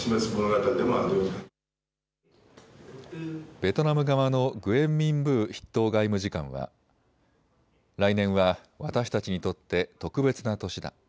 ベトナム側のグエン・ミン・ブー筆頭外務次官は来年は私たちにとって特別な年だ。